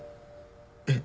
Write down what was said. えっ？